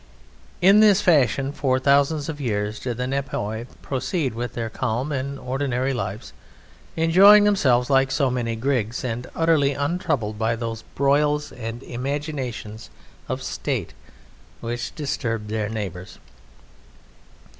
In this fashion for thousands of years did the Nepioi proceed with their calm and ordinary lives, enjoying themselves like so many grigs, and utterly untroubled by those broils and imaginations of State which disturbed their neighbours.